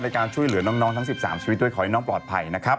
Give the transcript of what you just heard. ในการช่วยเหลือน้องทั้ง๑๓ชีวิตคอยน้องกลอดภัยนะครับ